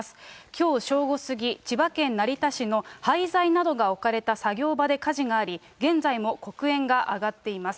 きょう正午過ぎ、千葉県成田市の廃材などが置かれた作業場で火事があり、現在も黒煙が上がっています。